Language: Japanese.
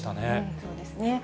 そうですね。